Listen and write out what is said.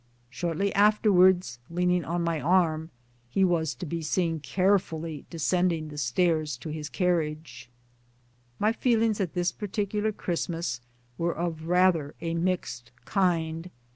" Shortly afterwards, leaning on my arm, he was to be seen carefully descending the stairs to his carriage. My feelings at this particular Christmas were of rather a mixed kind.